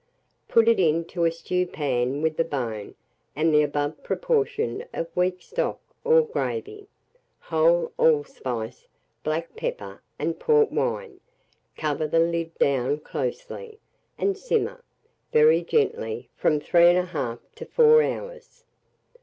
Put it into a stewpan with the bone and the above proportion of weak stock or gravy, whole allspice, black pepper, and port wine; cover the lid down closely, and simmer, very gently, from 3 1/2 to 4 hours.